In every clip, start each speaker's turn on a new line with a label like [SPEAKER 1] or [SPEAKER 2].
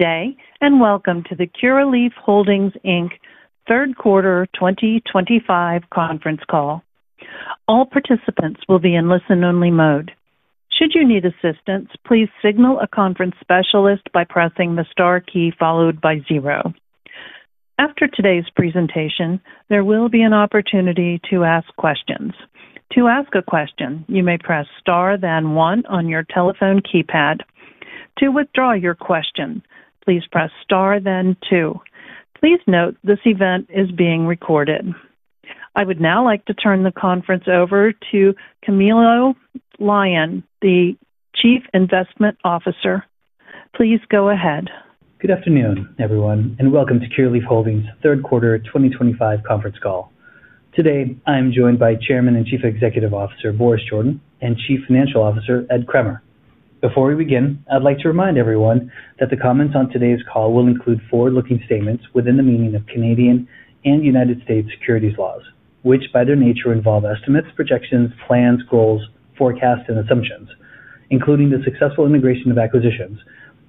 [SPEAKER 1] Today, and welcome to the Curaleaf Holdings, Third Quarter 2025 Conference Call. All participants will be in listen-only mode. Should you need assistance, please signal a conference specialist by pressing the star key followed by zero. After today's presentation, there will be an opportunity to ask questions. To ask a question, you may press star, then one on your telephone keypad. To withdraw your question, please press star, then two. Please note this event is being recorded. I would now like to turn the conference over to Camilo Lyon, the Chief Investment Officer. Please go ahead.
[SPEAKER 2] Good afternoon, everyone, and welcome to Curaleaf Holdings' Third Quarter 2025 Conference Call. Today, I am joined by Chairman and Chief Executive Officer Boris Jordan and Chief Financial Officer Ed Kremer. Before we begin, I'd like to remind everyone that the comments on today's call will include forward-looking statements within the meaning of Canadian and United States securities laws, which by their nature involve estimates, projections, plans, goals, forecasts, and assumptions, including the successful integration of acquisitions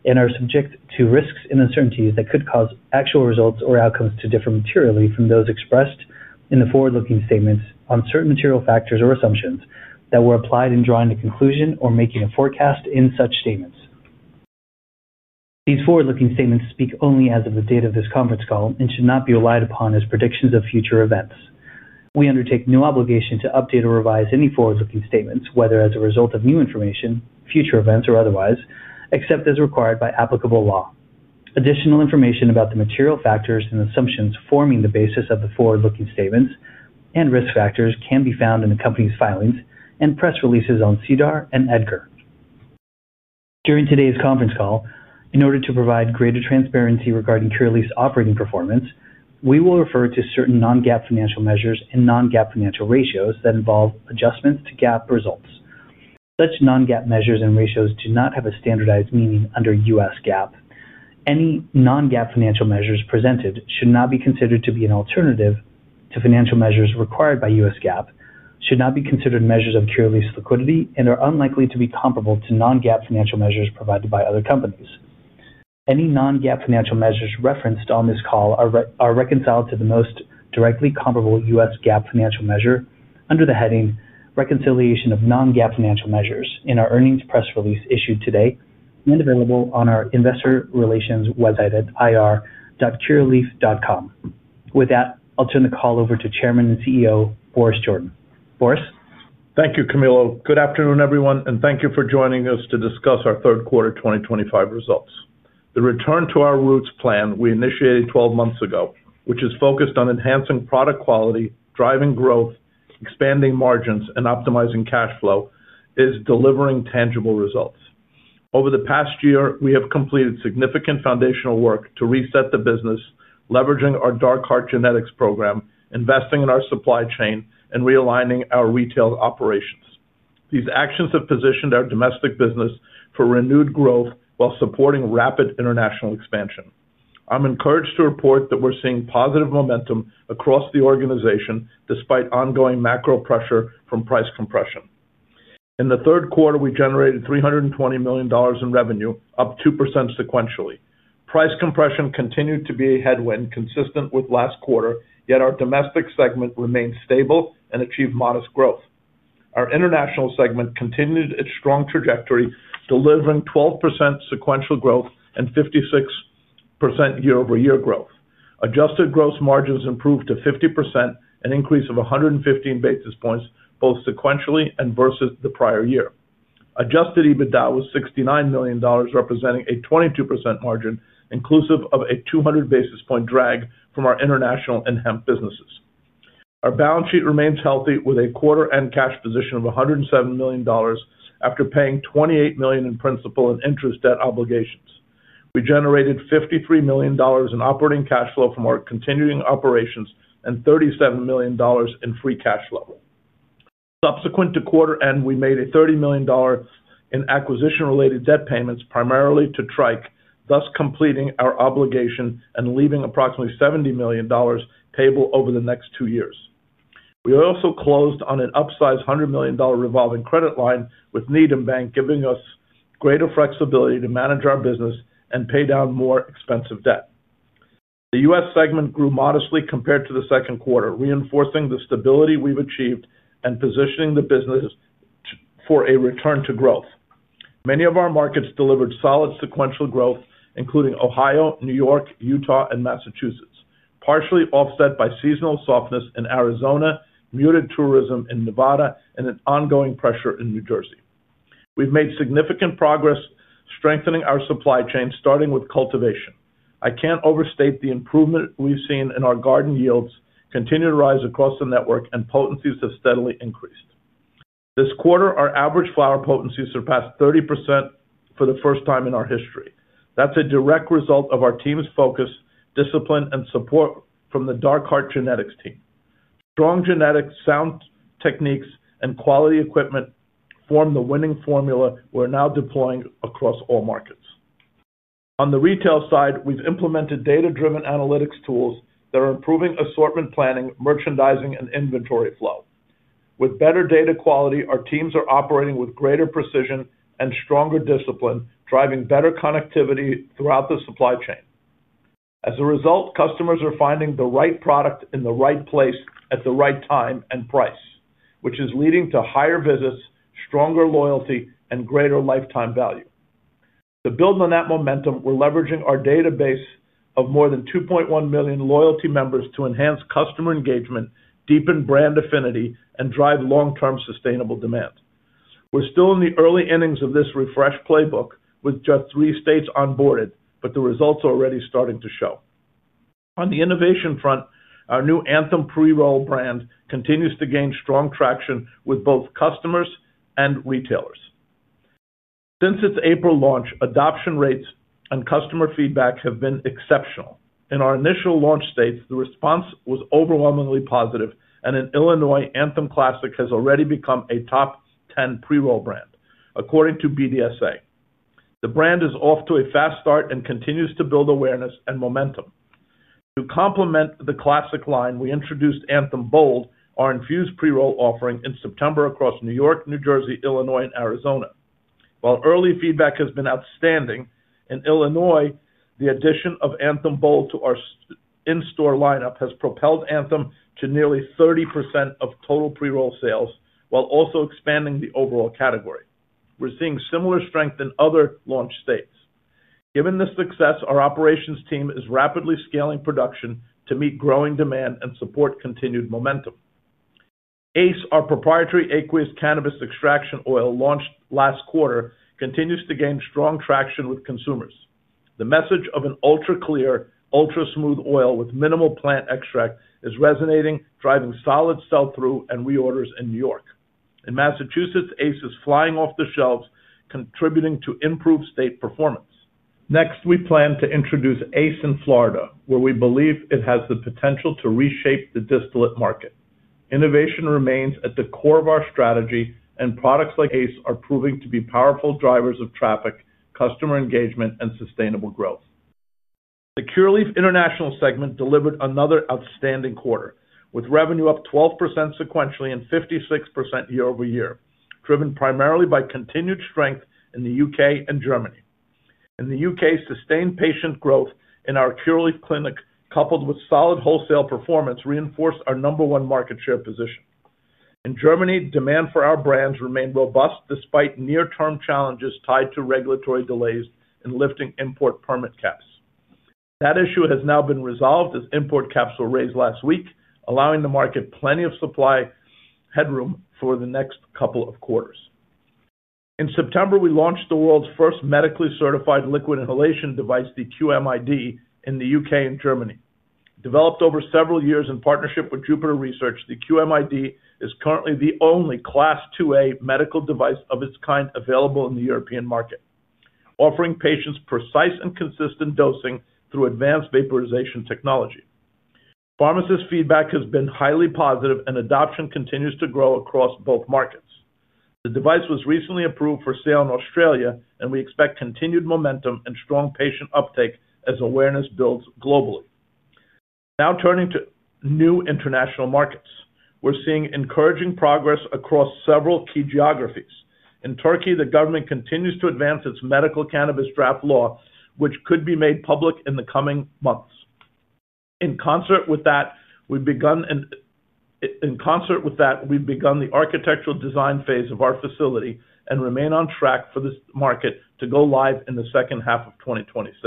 [SPEAKER 2] and are subject to risks and uncertainties that could cause actual results or outcomes to differ materially from those expressed in the forward-looking statements on certain material factors or assumptions that were applied in drawing a conclusion or making a forecast in such statements. These forward-looking statements speak only as of the date of this conference call and should not be relied upon as predictions of future events. We undertake no obligation to update or revise any forward-looking statements, whether as a result of new information, future events, or otherwise, except as required by applicable law. Additional information about the material factors and assumptions forming the basis of the forward-looking statements and risk factors can be found in the company's filings and press releases on SEDAR and EDGAR. During today's conference call, in order to provide greater transparency regarding Curaleaf's operating performance, we will refer to certain non-GAAP financial measures and non-GAAP financial ratios that involve adjustments to GAAP results. Such non-GAAP measures and ratios do not have a standardized meaning under US GAAP. Any non-GAAP financial measures presented should not be considered to be an alternative to financial measures required by US GAAP, should not be considered measures of Curaleaf's liquidity, and are unlikely to be comparable to non-GAAP financial measures provided by other companies. Any non-GAAP financial measures referenced on this call are reconciled to the most directly comparable US GAAP financial measure under the heading "Reconciliation of non-GAAP Financial Measures" in our earnings press release issued today and available on our investor relations website at ir.curaleaf.com. With that, I'll turn the call over to Chairman and CEO Boris Jordan. Boris?
[SPEAKER 3] Thank you, Camilo. Good afternoon, everyone, and thank you for joining us to discuss our third quarter 2025 results. The Return to Our Roots plan we initiated 12 months ago, which is focused on enhancing product quality, driving growth, expanding margins, and optimizing cash flow, is delivering tangible results. Over the past year, we have completed significant foundational work to reset the business, leveraging our Dark Heart Genetics program, investing in our supply chain, and realigning our retail operations. These actions have positioned our domestic business for renewed growth while supporting rapid international expansion. I'm encouraged to report that we're seeing positive momentum across the organization despite ongoing macro pressure from price compression. In the third quarter, we generated $320 million in revenue, up 2% sequentially. Price compression continued to be a headwind consistent with last quarter, yet our domestic segment remained stable and achieved modest growth. Our international segment continued its strong trajectory, delivering 12% sequential growth and 56% year-over-year growth. Adjusted gross margins improved to 50%, an increase of 115 basis points both sequentially and versus the prior year. Adjusted EBITDA was $69 million, representing a 22% margin inclusive of a 200 basis point drag from our international and hemp businesses. Our balance sheet remains healthy with a quarter-end cash position of $107 million after paying $28 million in principal and interest debt obligations. We generated $53 million in operating cash flow from our continuing operations and $37 million in free cash flow. Subsequent to quarter-end, we made a $30 million acquisition-related debt payment, primarily to Tryke, thus completing our obligation and leaving approximately $70 million payable over the next two years. We also closed on an upsized $100 million revolving credit line, with Needham Bank giving us greater flexibility to manage our business and pay down more expensive debt. The US segment grew modestly compared to the second quarter, reinforcing the stability we've achieved and positioning the business for a return to growth. Many of our markets delivered solid sequential growth, including Ohio, New York, Utah, and Massachusetts, partially offset by seasonal softness in Arizona, muted tourism in Nevada, and ongoing pressure in New Jersey. We've made significant progress, strengthening our supply chain, starting with cultivation. I can't overstate the improvement we've seen in our garden. Yields continue to rise across the network, and potencies have steadily increased. This quarter, our average flower potency surpassed 30% for the first time in our history. That's a direct result of our team's focus, discipline, and support from the Dark Heart Genetics team. Strong genetics, sound techniques, and quality equipment form the winning formula we're now deploying across all markets. On the retail side, we've implemented data-driven analytics tools that are improving assortment planning, merchandising, and inventory flow. With better data quality, our teams are operating with greater precision and stronger discipline, driving better connectivity throughout the supply chain. As a result, customers are finding the right product in the right place at the right time and price, which is leading to higher visits, stronger loyalty, and greater lifetime value. To build on that momentum, we're leveraging our database of more than 2.1 million loyalty members to enhance customer engagement, deepen brand affinity, and drive long-term sustainable demand. We're still in the early innings of this refresh playbook with just three states onboarded, but the results are already starting to show. On the innovation front, our new Anthem PreRoll brand continues to gain strong traction with both customers and retailers. Since its April launch, adoption rates and customer feedback have been exceptional. In our initial launch states, the response was overwhelmingly positive, and in Illinois, Anthem Classic has already become a top 10 PreRoll brand, according to BDS Analytics. The brand is off to a fast start and continues to build awareness and momentum. To complement the Classic line, we introduced Anthem Bold, our infused PreRoll offering, in September across New York, New Jersey, Illinois, and Arizona. While early feedback has been outstanding, in Illinois, the addition of Anthem Bold to our in-store lineup has propelled Anthem to nearly 30% of total PreRoll sales while also expanding the overall category. We're seeing similar strength in other launch states. Given this success, our operations team is rapidly scaling production to meet growing demand and support continued momentum. ACE, our proprietary aqueous cannabis extraction oil launched last quarter, continues to gain strong traction with consumers. The message of an ultra-clear, ultra-smooth oil with minimal plant extract is resonating, driving solid sell-through and reorders in New York. In Massachusetts, ACE is flying off the shelves, contributing to improved state performance. Next, we plan to introduce ACE in Florida, where we believe it has the potential to reshape the distillate market. Innovation remains at the core of our strategy, and products like ACE are proving to be powerful drivers of traffic, customer engagement, and sustainable growth. The Curaleaf international segment delivered another outstanding quarter, with revenue up 12% sequentially and 56% year-over-year, driven primarily by continued strength in the U.K. and Germany. In the U.K., sustained patient growth in our Curaleaf clinic, coupled with solid wholesale performance, reinforced our number one market share position. In Germany, demand for our brands remained robust despite near-term challenges tied to regulatory delays in lifting import permit caps. That issue has now been resolved as import caps were raised last week, allowing the market plenty of supply headroom for the next couple of quarters. In September, we launched the world's first medically certified liquid inhalation device, the QMID, in the U.K. and Germany. Developed over several years in partnership with Jupiter Research, the QMID is currently the only Class 2A medical device of its kind available in the European market, offering patients precise and consistent dosing through advanced vaporization technology. Pharmacist feedback has been highly positive, and adoption continues to grow across both markets. The device was recently approved for sale in Australia, and we expect continued momentum and strong patient uptake as awareness builds globally. Now turning to new international markets, we're seeing encouraging progress across several key geographies. In Turkey, the government continues to advance its medical cannabis draft law, which could be made public in the coming months. In concert with that, we've begun the architectural design phase of our facility and remain on track for this market to go live in the second half of 2026.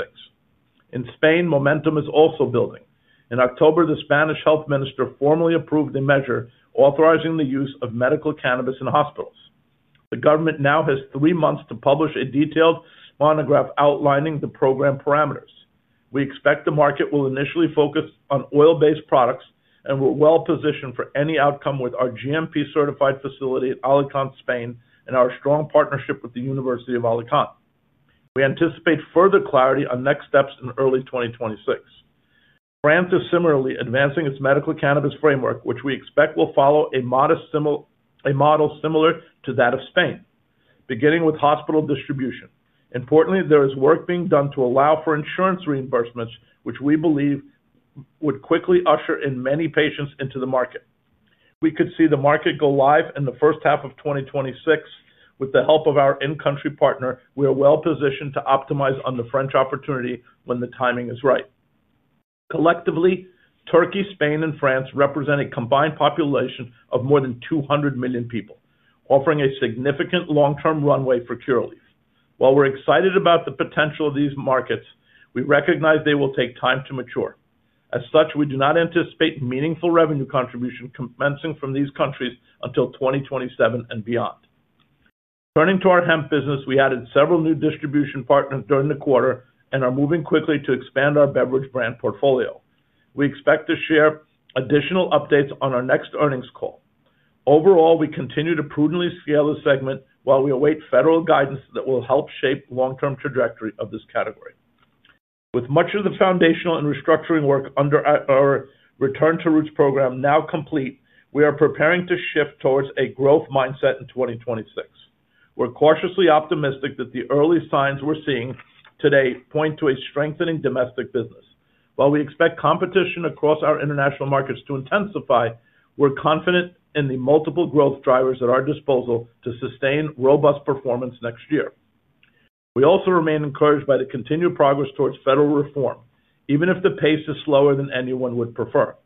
[SPEAKER 3] In Spain, momentum is also building. In October, the Spanish health minister formally approved a measure authorizing the use of medical cannabis in hospitals. The government now has three months to publish a detailed monograph outlining the program parameters. We expect the market will initially focus on oil-based products and we are well positioned for any outcome with our GMP-certified facility at Alicante, Spain, and our strong partnership with the University of Alicante. We anticipate further clarity on next steps in early 2026. France is similarly advancing its medical cannabis framework, which we expect will follow a model similar to that of Spain, beginning with hospital distribution. Importantly, there is work being done to allow for insurance reimbursements, which we believe would quickly usher in many patients into the market. We could see the market go live in the first half of 2026. With the help of our in-country partner, we are well positioned to optimize on the French opportunity when the timing is right. Collectively, Turkey, Spain, and France represent a combined population of more than 200 million people, offering a significant long-term runway for Curaleaf. While we're excited about the potential of these markets, we recognize they will take time to mature. As such, we do not anticipate meaningful revenue contribution commencing from these countries until 2027 and beyond. Turning to our hemp business, we added several new distribution partners during the quarter and are moving quickly to expand our beverage brand portfolio. We expect to share additional updates on our next earnings call. Overall, we continue to prudently scale the segment while we await federal guidance that will help shape the long-term trajectory of this category. With much of the foundational and restructuring work under our Return to Roots program now complete, we are preparing to shift towards a growth mindset in 2026. We're cautiously optimistic that the early signs we're seeing today point to a strengthening domestic business. While we expect competition across our international markets to intensify, we're confident in the multiple growth drivers at our disposal to sustain robust performance next year. We also remain encouraged by the continued progress towards federal reform, even if the pace is slower than anyone would prefer.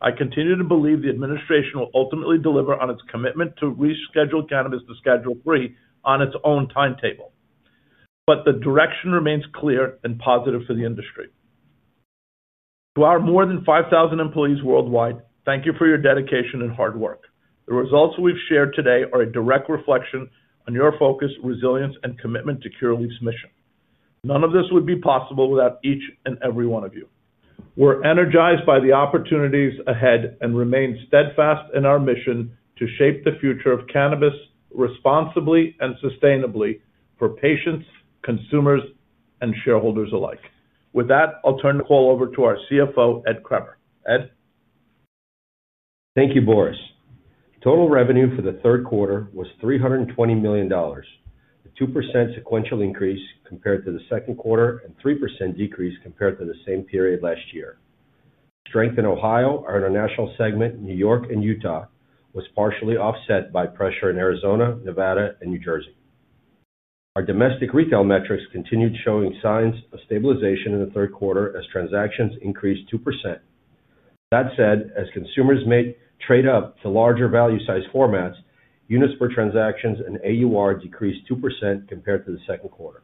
[SPEAKER 3] I continue to believe the administration will ultimately deliver on its commitment to reschedule cannabis to Schedule III on its own timetable, but the direction remains clear and positive for the industry. To our more than 5,000 employees worldwide, thank you for your dedication and hard work. The results we've shared today are a direct reflection on your focus, resilience, and commitment to Curaleaf's mission. None of this would be possible without each and every one of you. We're energized by the opportunities ahead and remain steadfast in our mission to shape the future of cannabis responsibly and sustainably for patients, consumers, and shareholders alike. With that, I'll turn the call over to our CFO, Ed Kremer. Ed.
[SPEAKER 4] Thank you, Boris. Total revenue for the third quarter was $320 million, a 2% sequential increase compared to the second quarter and a 3% decrease compared to the same period last year. Strength in Ohio, our international segment, New York, and Utah was partially offset by pressure in Arizona, Nevada, and New Jersey. Our domestic retail metrics continued showing signs of stabilization in the third quarter as transactions increased 2%. That said, as consumers made trade-up to larger value-sized formats, units per transactions and AUR decreased 2% compared to the second quarter.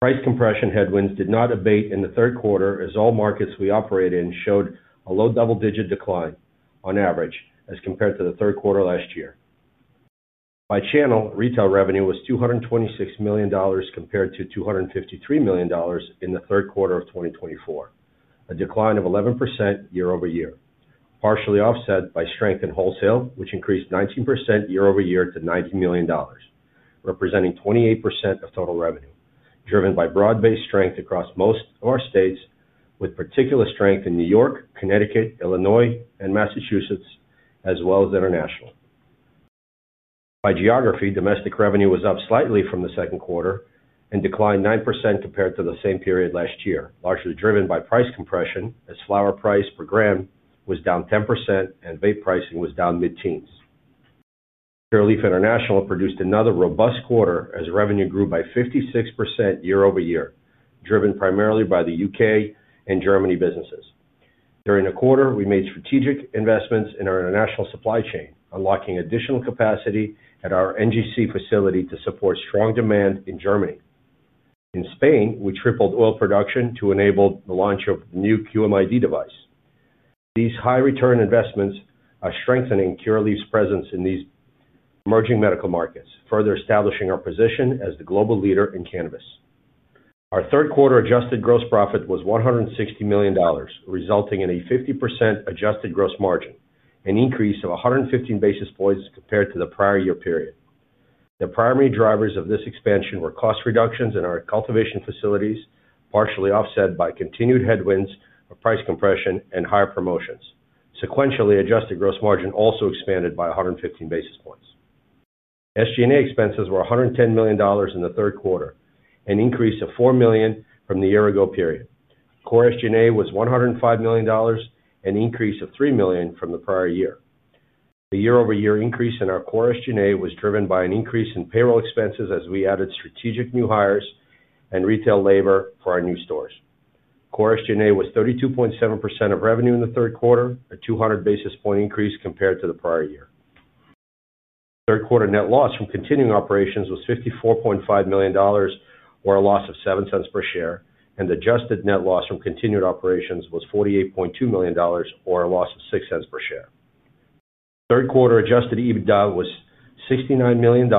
[SPEAKER 4] Price compression headwinds did not abate in the third quarter as all markets we operate in showed a low double-digit decline on average as compared to the third quarter last year. By channel, retail revenue was $226 million compared to $253 million in the third quarter of 2024, a decline of 11% year-over-year, partially offset by strength in wholesale, which increased 19% year-over-year to $90 million, representing 28% of total revenue, driven by broad-based strength across most of our states, with particular strength in New York, Connecticut, Illinois, and Massachusetts, as well as international. By geography, domestic revenue was up slightly from the second quarter and declined 9% compared to the same period last year, largely driven by price compression as flower price per gram was down 10% and vape pricing was down mid-teens. Curaleaf International produced another robust quarter as revenue grew by 56% year-over-year, driven primarily by the U.K. and Germany businesses. During the quarter, we made strategic investments in our international supply chain, unlocking additional capacity at our NGC facility to support strong demand in Germany. In Spain, we tripled oil production to enable the launch of a new QMID device. These high-return investments are strengthening Curaleaf's presence in these emerging medical markets, further establishing our position as the global leader in cannabis. Our third-quarter adjusted gross profit was $160 million, resulting in a 50% adjusted gross margin, an increase of 115 basis points compared to the prior year period. The primary drivers of this expansion were cost reductions in our cultivation facilities, partially offset by continued headwinds of price compression and higher promotions. Sequentially, adjusted gross margin also expanded by 115 basis points. SG&A expenses were $110 million in the third quarter, an increase of $4 million from the year-ago period. Core SG&A was $105 million, an increase of $3 million from the prior year. The year-over-year increase in our core SG&A was driven by an increase in payroll expenses as we added strategic new hires and retail labor for our new stores. Core SG&A was 32.7% of revenue in the third quarter, a 200 basis point increase compared to the prior year. Third-quarter net loss from continuing operations was $54.5 million, or a loss of $0.07 per share, and adjusted net loss from continued operations was $48.2 million, or a loss of $0.06 per share. Third-quarter adjusted EBITDA was $69 million,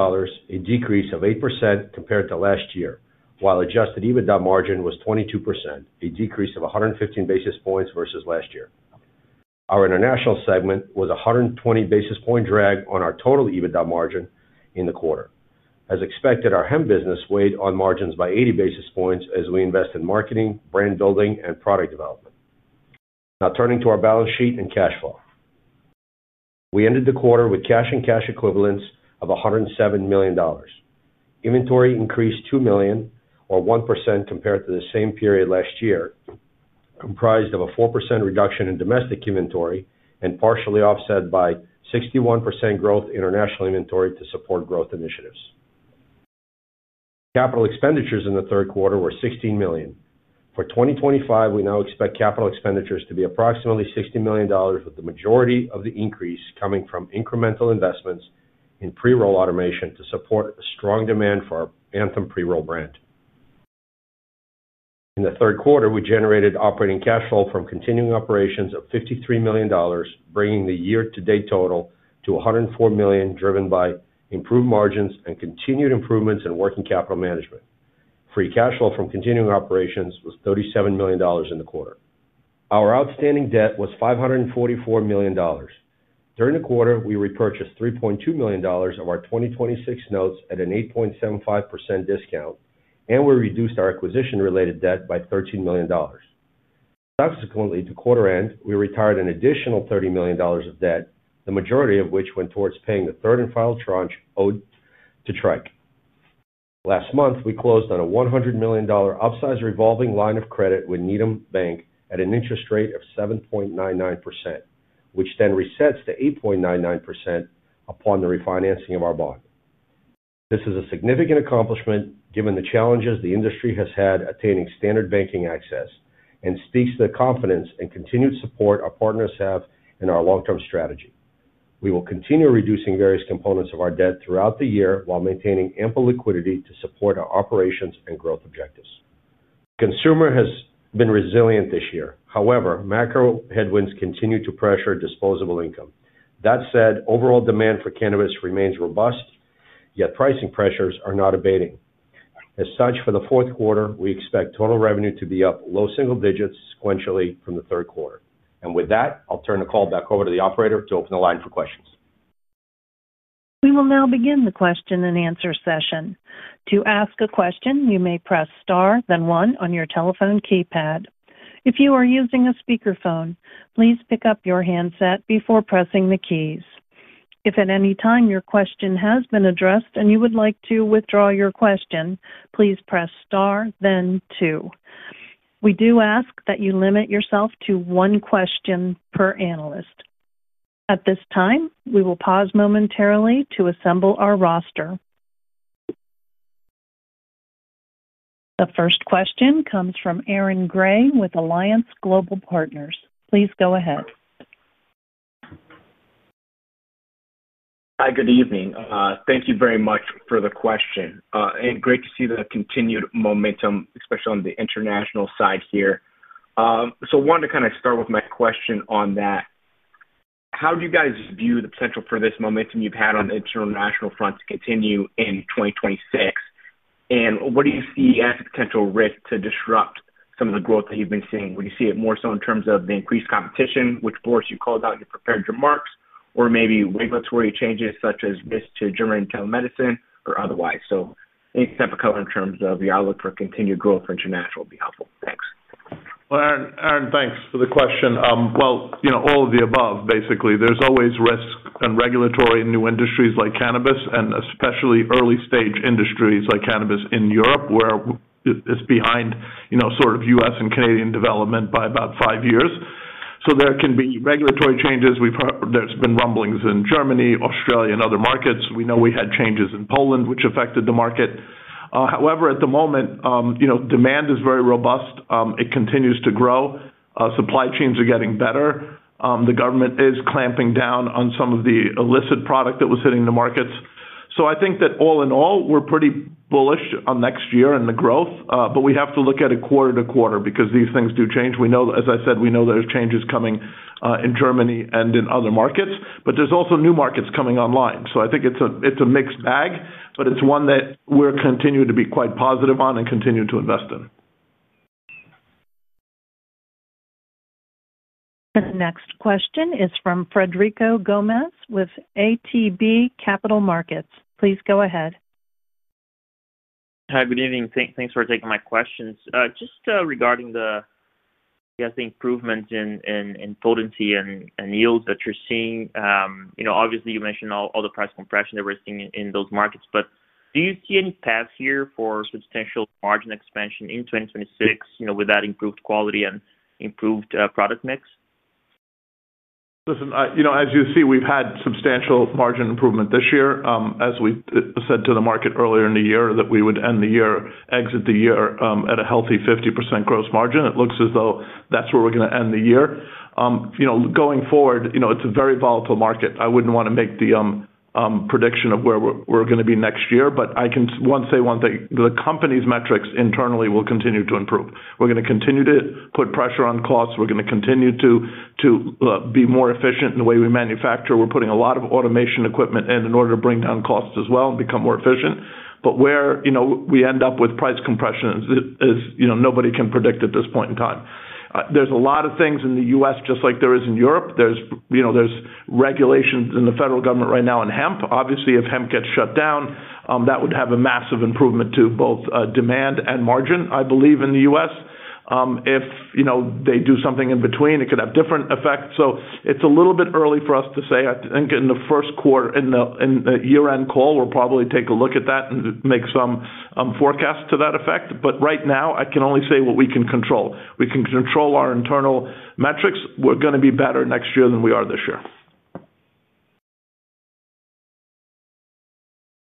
[SPEAKER 4] a decrease of 8% compared to last year, while adjusted EBITDA margin was 22%, a decrease of 115 basis points versus last year. Our international segment was a 120 basis point drag on our total EBITDA margin in the quarter. As expected, our hemp business weighed on margins by 80 basis points as we invest in marketing, brand building, and product development. Now turning to our balance sheet and cash flow. We ended the quarter with cash and cash equivalents of $107 million. Inventory increased $2 million, or 1%, compared to the same period last year, comprised of a 4% reduction in domestic inventory and partially offset by 61% growth in international inventory to support growth initiatives. Capital expenditures in the third quarter were $16 million. For 2025, we now expect capital expenditures to be approximately $60 million, with the majority of the increase coming from incremental investments in pre-roll automation to support strong demand for our Anthem pre-roll brand. In the third quarter, we generated operating cash flow from continuing operations of $53 million, bringing the year-to-date total to $104 million, driven by improved margins and continued improvements in working capital management. Free cash flow from continuing operations was $37 million in the quarter. Our outstanding debt was $544 million. During the quarter, we repurchased $3.2 million of our 2026 notes at an 8.75% discount, and we reduced our acquisition-related debt by $13 million. Subsequently, to quarter-end, we retired an additional $30 million of debt, the majority of which went towards paying the third and final tranche owed to Tryke. Last month, we closed on a $100 million upsize revolving line of credit with Needham Bank at an interest rate of 7.99%, which then resets to 8.99% upon the refinancing of our bond. This is a significant accomplishment given the challenges the industry has had attaining standard banking access and speaks to the confidence and continued support our partners have in our long-term strategy. We will continue reducing various components of our debt throughout the year while maintaining ample liquidity to support our operations and growth objectives. Consumer has been resilient this year. However, macro headwinds continue to pressure disposable income. That said, overall demand for cannabis remains robust, yet pricing pressures are not abating. As such, for the fourth quarter, we expect total revenue to be up low single digits sequentially from the third quarter. With that, I'll turn the call back over to the operator to open the line for questions.
[SPEAKER 1] We will now begin the question and answer session. To ask a question, you may press Star, then 1 on your telephone keypad. If you are using a speakerphone, please pick up your handset before pressing the keys. If at any time your question has been addressed and you would like to withdraw your question, please press Star, then 2. We do ask that you limit yourself to one question per analyst. At this time, we will pause momentarily to assemble our roster. The first question comes from Aaron Gray with Alliance Global Partners. Please go ahead.
[SPEAKER 5] Hi, good evening. Thank you very much for the question. Great to see the continued momentum, especially on the international side here. I wanted to kind of start with my question on that. How do you guys view the potential for this momentum you've had on the international front to continue in 2026? What do you see as a potential risk to disrupt some of the growth that you've been seeing? Would you see it more so in terms of the increased competition, which, Boris, you called out, you prepared your marks, or maybe regulatory changes such as risk to German telemedicine or otherwise? Any type of color in terms of your outlook for continued growth for international would be helpful. Thanks.
[SPEAKER 3] Aaron, thanks for the question. All of the above, basically. There is always risk in regulatory and new industries like cannabis, and especially early-stage industries like cannabis in Europe, where it is behind sort of U.S. and Canadian development by about five years. There can be regulatory changes. There have been rumblings in Germany, Australia, and other markets. We know we had changes in Poland, which affected the market. However, at the moment, demand is very robust. It continues to grow. Supply chains are getting better. The government is clamping down on some of the illicit product that was hitting the markets. I think that all in all, we're pretty bullish on next year and the growth, but we have to look at it quarter to quarter because these things do change. As I said, we know there's changes coming in Germany and in other markets, but there's also new markets coming online. I think it's a mixed bag, but it's one that we're continuing to be quite positive on and continue to invest in.
[SPEAKER 1] The next question is from Frederico Gomes with ATB Capital Markets. Please go ahead.
[SPEAKER 6] Hi, good evening. Thanks for taking my questions. Just regarding the. Improvement in potency and yields that you're seeing, obviously, you mentioned all the price compression that we're seeing in those markets, but do you see any path here for substantial margin expansion in 2026 with that improved quality and improved product mix?
[SPEAKER 3] Listen, as you see, we've had substantial margin improvement this year. As we said to the market earlier in the year that we would end the year, exit the year at a healthy 50% gross margin. It looks as though that's where we're going to end the year. Going forward, it's a very volatile market. I wouldn't want to make the prediction of where we're going to be next year, but I can say one thing. The company's metrics internally will continue to improve. We're going to continue to put pressure on costs. We're going to continue to be more efficient in the way we manufacture. We're putting a lot of automation equipment in order to bring down costs as well and become more efficient. Where we end up with price compression is nobody can predict at this point in time. There are a lot of things in the U.S., just like there are in Europe. There are regulations in the federal government right now in hemp. Obviously, if hemp gets shut down, that would have a massive improvement to both demand and margin, I believe, in the U.S. If they do something in between, it could have different effects. It is a little bit early for us to say. I think in the first quarter, in the year-end call, we'll probably take a look at that and make some forecasts to that effect. Right now, I can only say what we can control. We can control our internal metrics. We're going to be better next year than we are this year.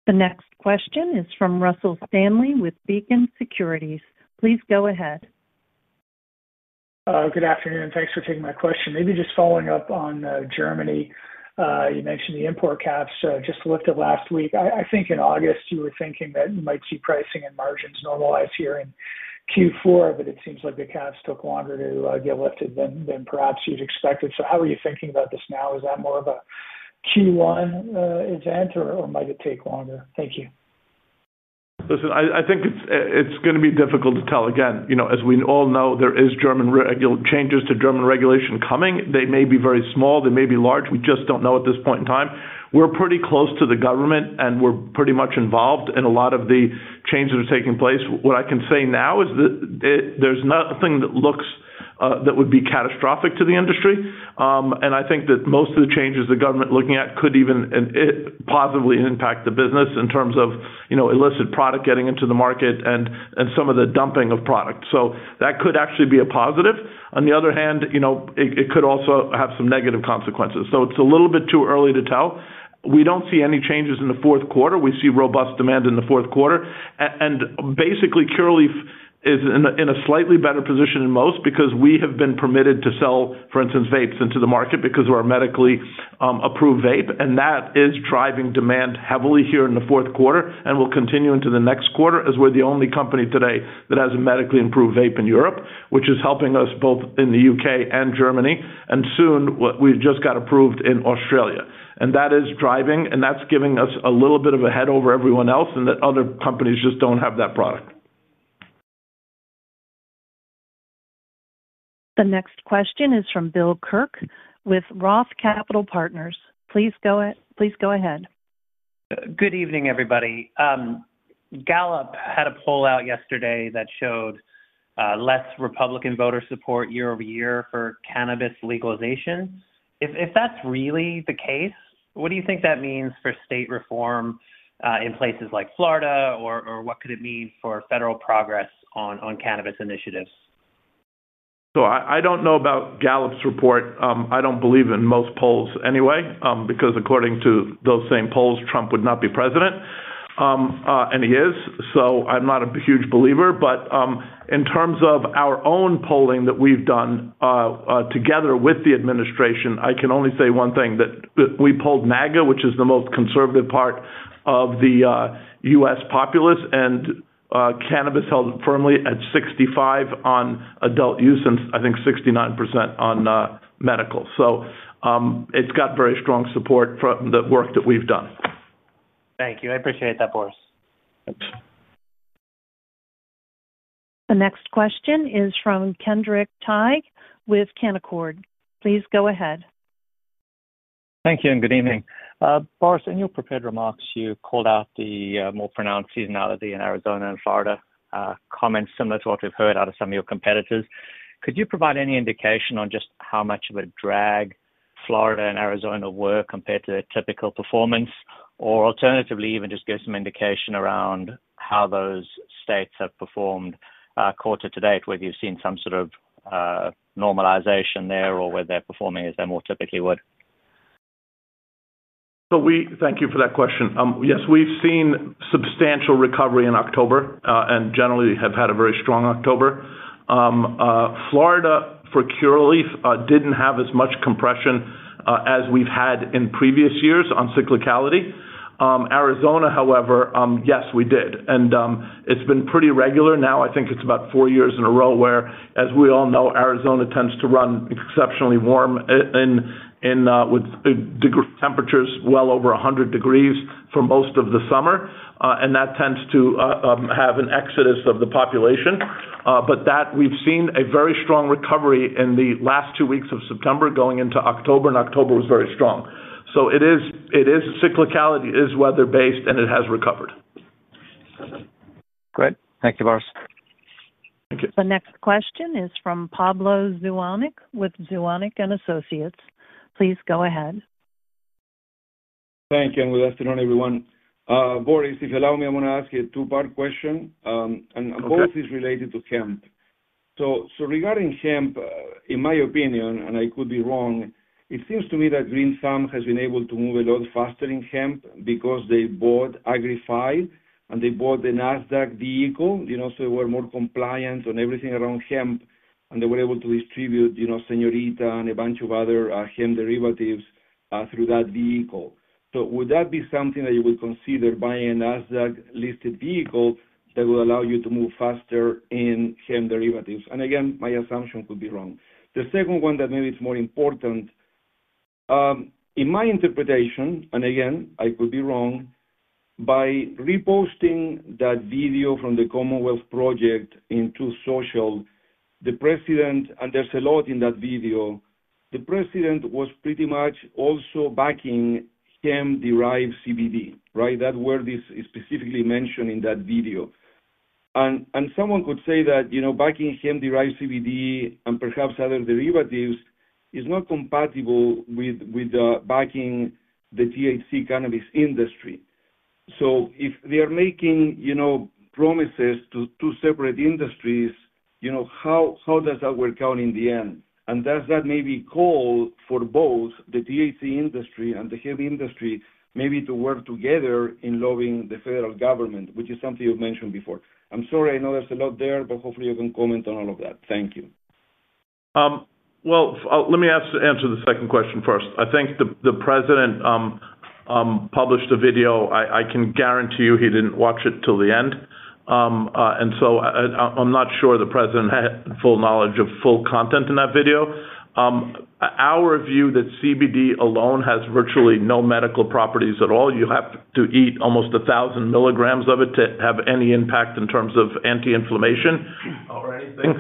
[SPEAKER 1] The next question is from Russell Stanley with Beacon Securities. Please go ahead.
[SPEAKER 7] Good afternoon. Thanks for taking my question. Maybe just following up on Germany. You mentioned the import caps just lifted last week. I think in August, you were thinking that you might see pricing and margins normalize here in Q4, but it seems like the caps took longer to get lifted than perhaps you'd expected. How are you thinking about this now? Is that more of a Q1 event, or might it take longer? Thank you.
[SPEAKER 3] Listen, I think it's going to be difficult to tell. Again, as we all know, there are changes to German regulation coming. They may be very small. They may be large. We just don't know at this point in time. We're pretty close to the government, and we're pretty much involved in a lot of the changes that are taking place. What I can say now is that there's nothing that looks that would be catastrophic to the industry. I think that most of the changes the government is looking at could even positively impact the business in terms of illicit product getting into the market and some of the dumping of product. That could actually be a positive. On the other hand, it could also have some negative consequences. It's a little bit too early to tell. We don't see any changes in the fourth quarter. We see robust demand in the fourth quarter. Basically, Curaleaf is in a slightly better position than most because we have been permitted to sell, for instance, vapes into the market because we're a medically approved vape. That is driving demand heavily here in the fourth quarter and will continue into the next quarter as we're the only company today that has a medically approved vape in Europe, which is helping us both in the U.K. and Germany. Soon, we just got approved in Australia. That is driving, and that's giving us a little bit of a head over everyone else in that other companies just don't have that product. The next question is from Bill Kirk with Roth Capital Partners. Please go ahead. Good evening, everybody. Gallup had a poll out yesterday that showed less Republican voter support year over year for cannabis legalization. If that's really the case, what do you think that means for state reform in places like Florida, or what could it mean for federal progress on cannabis initiatives? I don't know about Gallup's report. I do not believe in most polls anyway because, according to those same polls, Trump would not be president. And he is. I am not a huge believer. In terms of our own polling that we have done together with the administration, I can only say one thing: that we polled NAGA, which is the most conservative part of the U.S. populace, and cannabis held firmly at 65% on adult use and, I think, 69% on medical. It has very strong support from the work that we have done.
[SPEAKER 7] Thank you. I appreciate that, Boris.
[SPEAKER 1] The next question is from Kendrick Ty with Canaccord. Please go ahead.
[SPEAKER 8] Thank you and good evening. Boris, in your prepared remarks, you called out the more pronounced seasonality in Arizona and Florida, comments similar to what we have heard out of some of your competitors. Could you provide any indication on just how much of a drag Florida and Arizona were compared to their typical performance? Or alternatively, even just give some indication around how those states have performed quarter to date, whether you've seen some sort of normalization there or where they're performing as they more typically would? Thank you for that question. Yes, we've seen substantial recovery in October and generally have had a very strong October. Florida, for Curaleaf, did not have as much compression as we've had in previous years on cyclicality. Arizona, however, yes, we did. And it's been pretty regular now. I think it's about four years in a row where, as we all know, Arizona tends to run exceptionally warm, with temperatures well over 100 degrees for most of the summer. That tends to have an exodus of the population. We have seen a very strong recovery in the last two weeks of September going into October, and October was very strong. Cyclicality is weather-based, and it has recovered. Great. Thank you, Boris.
[SPEAKER 3] Thank you.
[SPEAKER 1] The next question is from Pablo Zuanic with Zuanic & Associates. Please go ahead.
[SPEAKER 9] Thank you. And good afternoon, everyone. Boris, if you allow me, I want to ask you a two-part question. Both are related to hemp. Regarding hemp, in my opinion, and I could be wrong, it seems to me that Green Thumb has been able to move a lot faster in hemp because they bought Agri-Fi and they bought the NASDAQ vehicle. They were more compliant on everything around hemp, and they were able to distribute Señorita and a bunch of other hemp derivatives through that vehicle. Would that be something that you would consider buying, a NASDAQ-listed vehicle that would allow you to move faster in hemp derivatives? Again, my assumption could be wrong. The second one, maybe it is more important. In my interpretation, and again, I could be wrong. By reposting that video from the Commonwealth Project into social, the President, and there is a lot in that video, the President was pretty much also backing hemp-derived CBD, right? That word is specifically mentioned in that video. Someone could say that backing hemp-derived CBD and perhaps other derivatives is not compatible with backing the THC cannabis industry. If they are making promises to two separate industries, how does that work out in the end? Does that maybe call for both the THC industry and the hemp industry maybe to work together in lobbying the federal government, which is something you have mentioned before? I'm sorry, I know there is a lot there, but hopefully, you can comment on all of that. Thank you.
[SPEAKER 3] Let me answer the second question first. I think the president published a video. I can guarantee you he did not watch it till the end. I am not sure the president had full knowledge of full content in that video. Our view is that CBD alone has virtually no medical properties at all. You have to eat almost 1,000 milligrams of it to have any impact in terms of anti-inflammation or anything.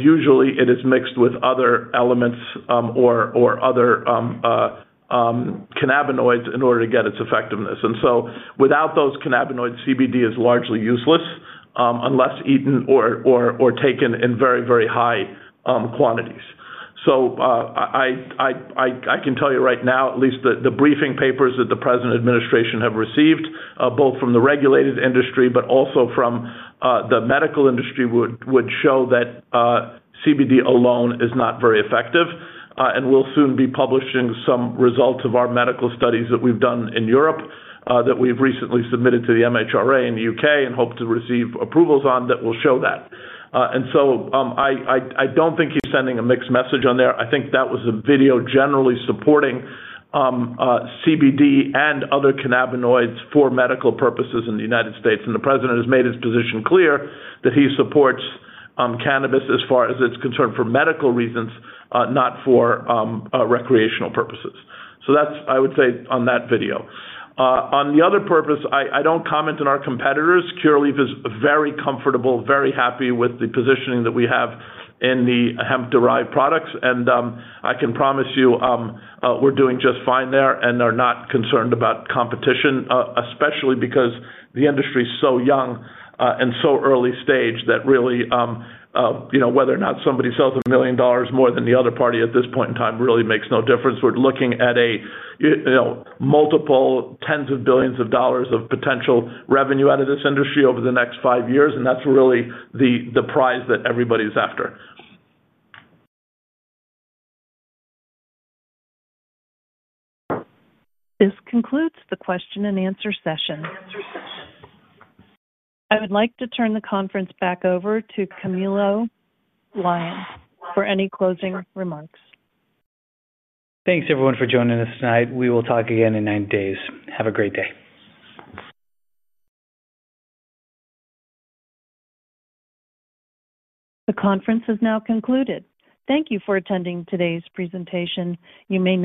[SPEAKER 3] Usually, it is mixed with other elements or other cannabinoids in order to get its effectiveness. Without those cannabinoids, CBD is largely useless unless eaten or taken in very, very high quantities. I can tell you right now, at least the briefing papers that the president administration have received, both from the regulated industry but also from the medical industry, would show that CBD alone is not very effective. We will soon be publishing some results of our medical studies that we have done in Europe that we have recently submitted to the MHRA in the U.K. and hope to receive approvals on that will show that. I do not think he is sending a mixed message on there. I think that was a video generally supporting CBD and other cannabinoids for medical purposes in the United States. The president has made his position clear that he supports cannabis as far as it is concerned for medical reasons, not for recreational purposes. That is, I would say, on that video. On the other purpose, I do not comment on our competitors. Curaleaf is very comfortable, very happy with the positioning that we have in the hemp-derived products. I can promise you, we are doing just fine there and are not concerned about competition, especially because the industry is so young and so early stage that really, whether or not somebody sells $1 million more than the other party at this point in time really makes no difference. We are looking at multiple tens of billions of dollars of potential revenue out of this industry over the next five years. That is really the prize that everybody is after.
[SPEAKER 1] This concludes the question and answer session. I would like to turn the conference back over to Camilo Lyon for any closing remarks.
[SPEAKER 2] Thanks, everyone, for joining us tonight. We will talk again in nine days. Have a great day.
[SPEAKER 1] The conference is now concluded. Thank you for attending today's presentation. You may.